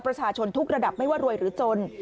ประชาชนทุกระดับไม่ว่ารวยหรือจน